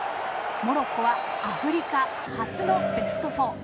モロッコはアフリカ初のベスト４。